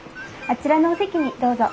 あちらのお席にどうぞ。